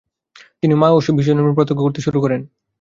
তিনি মা ও বিশ্বজননীভাবে প্রত্যক্ষ করতে শুরু করেন।